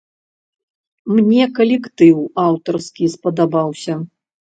Мне калектыў аўтарскі спадабаўся.